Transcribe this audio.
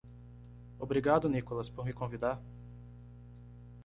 Obrigado Nicholas por me convidar.